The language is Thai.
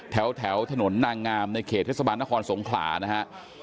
แถวถนนนางงามในเขตเทศบาลนครสงขลานะฮะ